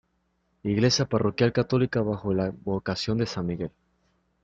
Iglesia parroquial católica bajo la advocación de San Miguel.